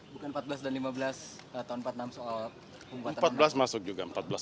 bukan empat belas dan lima belas tahun empat puluh enam soal pemerintahan